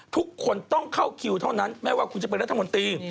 ทุกคนต้องเข้าคิวเท่านั้นไม่ว่าคุณจะเป็นรัฐมนตรี